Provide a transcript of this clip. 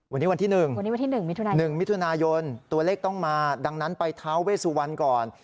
วันนี้วันที่๑มิถุนายนตัวเลขต้องมาดังนั้นไปท้าวเวสวรรค์ก่อน